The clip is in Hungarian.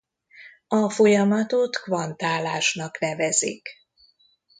A folyamatot kvantálásnak nevezik.